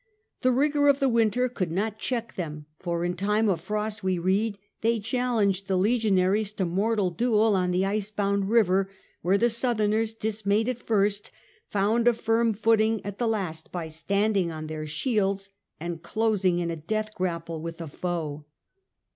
The rigour of the winter could not check them ; for in time of frost, we read, they challenged the legionaries to mortal duel on the ice bound river, where the southerners, dismayed at first, found a firm footing at the last by standing on their shields, and closing in a death grapple with the foe.